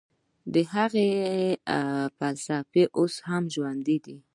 د هغه فلسفه اوس هم ژوندۍ ده.